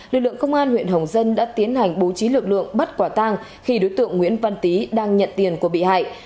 lực lượng công an huyện hồng dân đã tiến hành bố trí lực lượng bắt quả tang khi đối tượng nguyễn văn tý đang nhận tiền của bị hại